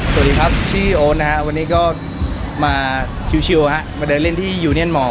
สวัสดีครับชื่อโอ๊ตนะฮะวันนี้ก็มาชิวฮะมาเดินเล่นที่ยูเนียนมอร์